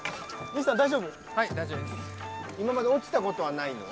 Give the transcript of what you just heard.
今まで落ちたことはないの？